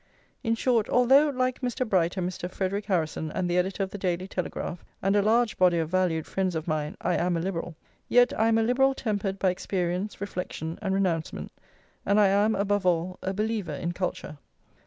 In short, although, like Mr. Bright and Mr. Frederic Harrison, and the editor of the Daily Telegraph, and a large body of valued friends of mine, I am a liberal, yet I am a liberal tempered by experience, reflection, and renouncement, and I am, above all, a believer in culture.